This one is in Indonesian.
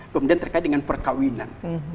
kemudian terkait dengan perkawinan